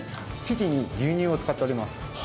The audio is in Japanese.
生地に牛乳を使っております。